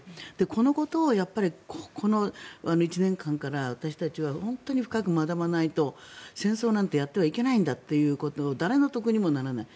このことを、やっぱりこの１年間から私たちは本当に深く学ばないと戦争なんてやってはいけないんだということ誰の得にもならない。